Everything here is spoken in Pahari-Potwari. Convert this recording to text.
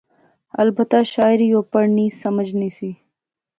البتہ شاعری او پڑھنی، سمجھنی سی